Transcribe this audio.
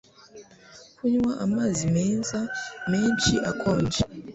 Kunywa amazi meza menshi akonje